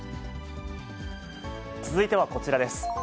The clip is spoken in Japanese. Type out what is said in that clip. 続いてはこちらです。